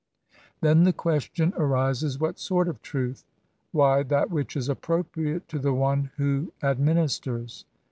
Then the question arises, what sort of truth ? Why, that which is appropriate to the one who administers.